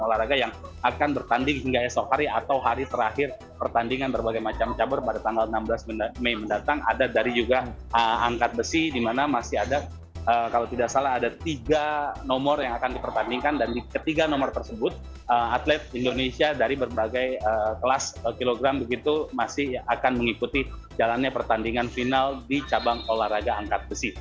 olahraga yang akan bertanding hingga esok hari atau hari terakhir pertandingan berbagai macam cabar pada tanggal enam belas mei mendatang ada dari juga angkat besi di mana masih ada kalau tidak salah ada tiga nomor yang akan dipertandingkan dan ketiga nomor tersebut atlet indonesia dari berbagai kelas kilogram begitu masih akan mengikuti jalannya pertandingan final di cabang olahraga angkat besi